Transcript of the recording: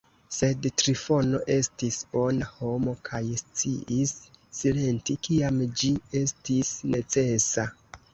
Sed Trifono estis bona homo kaj sciis silenti, kiam ĝi estis necesa.